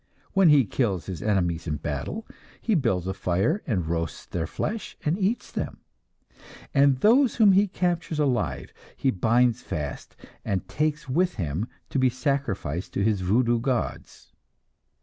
When he kills his enemies in battle, he builds a fire and roasts their flesh and eats them; and those whom he captures alive, he binds fast and takes with him, to be sacrificed to his voodoo gods.